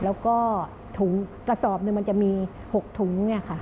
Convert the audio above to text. แล้วก็ถุงกระสอบหนึ่งมันจะมี๖ถุง